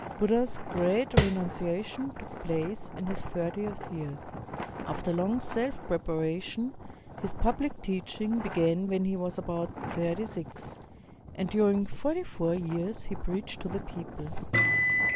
Buddha's Great Renunciation took place in his thir tieth year. After long self preparation, his public teach ing began when he was about thirty six, and during forty four years he preached to the people.